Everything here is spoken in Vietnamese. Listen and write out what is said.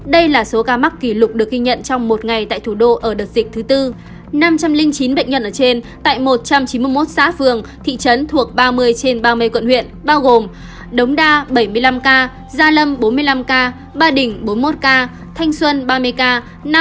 đây là số ca mắc kỷ lục được ghi nhận trong một ngày tại thủ đô ở đài loan